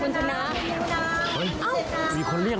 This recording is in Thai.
ส่องเขามากับคุณชนะ